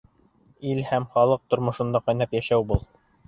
Ил һәм халыҡ тормошонда ҡайнап йәшәү был.